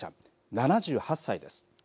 ７８歳です。